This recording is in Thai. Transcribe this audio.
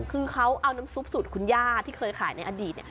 คือเขาเอาน้ำซุปสูตรคุณย่าที่เคยขายในอดีต